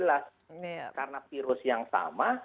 karena virus yang sama